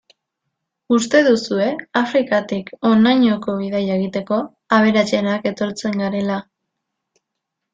Uste duzue Afrikatik honainoko bidaia egiteko, aberatsenak etortzen garela.